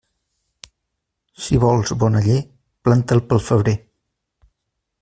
Si vols bon aller, planta'l pel febrer.